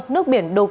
nước biển đục